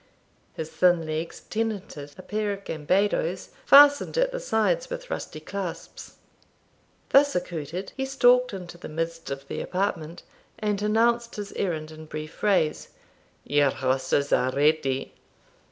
His thin legs tenanted a pair of gambadoes, fastened at the sides with rusty clasps. Thus accoutred, he stalked into the midst of the apartment, and announced his errand in brief phrase: 'Yer horses are ready.'